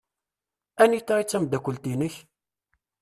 Anita i d tamdakelt-inek?